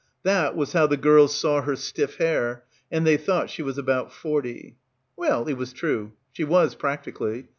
That was how the girls saw her stiff hair — and they thought she was "about forty." Well, it was true. She was, practically.